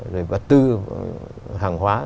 rồi bật tư hàng hóa